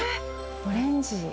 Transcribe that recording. オレンジ。